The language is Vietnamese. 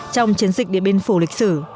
trong chiến dịch điện biên phủ lịch sử